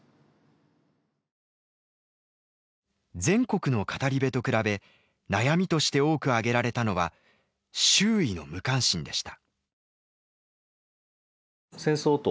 全国の語り部と比べ悩みとして多く挙げられたのは「周囲の無関心」でした。